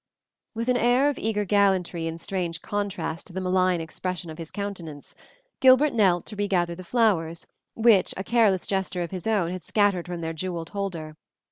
With an air of eager gallantry in strange contrast to the malign expression of his countenance, Gilbert knelt to regather the flowers which a careless gesture of his own had scattered from their jeweled holder.